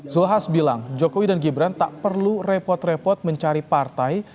zulkifli hasan bilang jokowi dan gibran tak perlu repot repot mencari partai